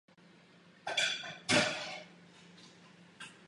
Alzheimerova choroba působí všude stejně.